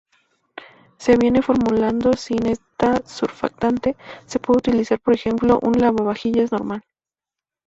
Si viene formulado sin este surfactante, se puede utilizar por ejemplo un lavavajillas normal.